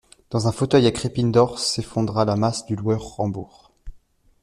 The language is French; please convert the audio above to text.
Dans un fauteuil à crépines d'or, s'effondra la masse du loueur Rambourg.